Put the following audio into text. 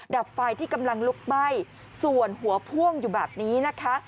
ดับไฟที่กำลังลุกไหม้ส่วนหัวพ่วงอยู่แบบนี้นะคะ